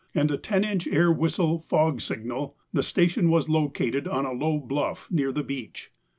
and a 10 inch air whistle, fog signal, the station was located on a low bluff near the beach.